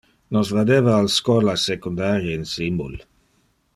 Nos vadeva al schola secundari insimul.